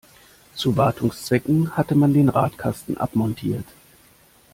Zu Wartungszwecken hatte man den Radkasten abmontiert.